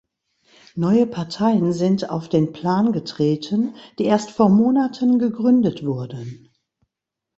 Neue Parteien sind auf den Plan getreten, die erst vor Monaten gegründet wurden.